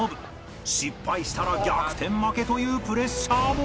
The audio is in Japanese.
失敗したら逆転負けというプレッシャーも